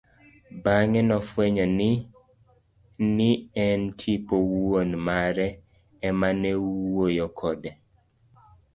Bang'e nofwenyo ni en tipo wuon mare emane wuoyo kode.